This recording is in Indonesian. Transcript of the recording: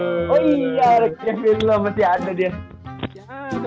oh iya ada kevin love ya ada dia